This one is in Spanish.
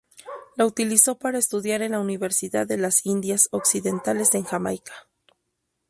La utilizó para estudiar en la Universidad de las Indias Occidentales en Jamaica.